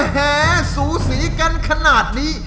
แหสูสีกันขนาดนี้